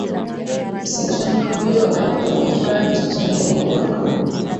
msichana huyo alifika jijini new york